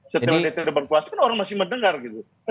setelah dia tidak berpuasa kan orang masih mendengar gitu